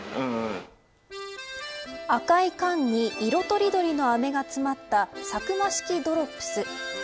赤い缶に色とりどりの飴が詰まったサクマ式ドロップス。